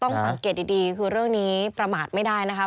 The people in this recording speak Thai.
สังเกตดีคือเรื่องนี้ประมาทไม่ได้นะคะ